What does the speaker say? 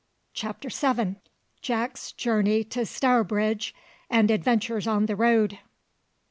CHAPTER SEVEN. JACK'S JOURNEY TO STOURBRIDGE, AND ADVENTURES ON THE ROAD.